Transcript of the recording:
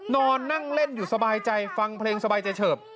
นอนนั่งเล่นอยู่สบายใจฟังเพลงสบายใจเฉิบ